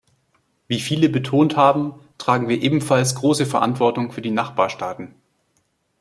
Wie viele betont haben, tragen wir ebenfalls große Verantwortung für die Nachbarstaaten.